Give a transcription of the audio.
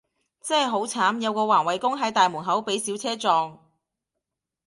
真係好慘，有個環衛工，喺大院門口被小車撞